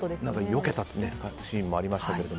よけたシーンもありましたけど。